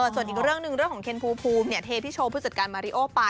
ส่วนอีกเรื่องหนึ่งเรื่องของเคนภูมิเทพี่โชว์ผู้จัดการมาริโอไป